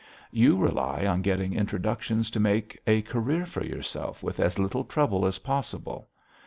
"You rely on getting introductions to make a career for yourself with as little trouble as possible.